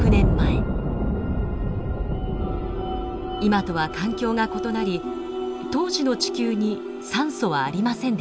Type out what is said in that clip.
今とは環境が異なり当時の地球に酸素はありませんでした。